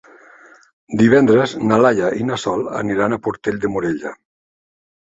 Divendres na Laia i na Sol aniran a Portell de Morella.